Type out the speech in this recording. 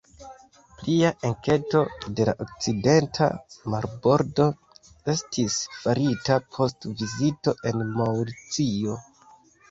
Plia enketo de la okcidenta marbordo estis farita post vizito en Maŭricio.